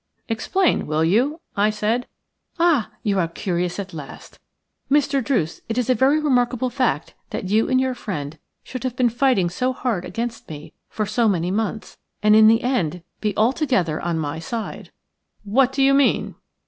"Explain, will you?" I said. "Ah! you are curious at last. Mr. Druce, it is a very remarkable fact that you and your friend should have been fighting so hard against me for so many months, and in the end be altogether on my side." "What do you mean?"